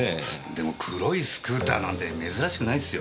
でも黒いスクーターなんて珍しくないですよ。